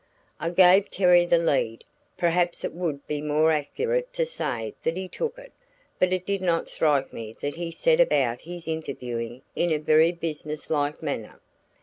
I gave Terry the lead perhaps it would be more accurate to say that he took it but it did not strike me that he set about his interviewing in a very business like manner.